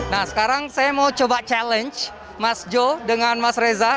nah sekarang saya mau coba challenge mas joe dengan mas reza